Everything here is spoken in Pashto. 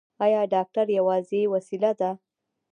ایا ډاکټر یوازې وسیله ده؟